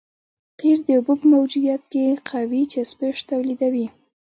قیر د اوبو په موجودیت کې قوي چسپش تولیدوي